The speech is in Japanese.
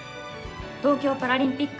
東京パラリンピック